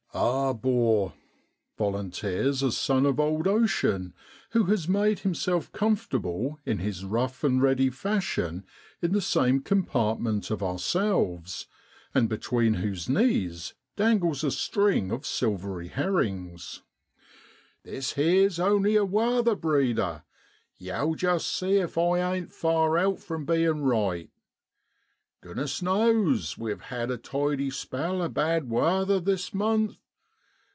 NOVEMBER IN BROADLAND. 115 * Ah. ! 'bor ' volunteers a son of old Ocean who has made himself comfortable in his rough and ready fashion in the same compartment as ourselves, and between whose knees dangles a string of silvery herrings * This here's only a waather breeder, yow jist see if I ain't far out from bein' right. Goodness knows we've had a tidy spell o' bad waather this month.